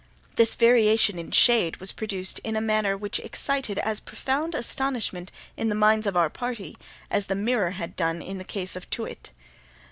This variation in shade was produced in a manner which excited as profound astonishment in the minds of our party as the mirror had done in the case of Too wit.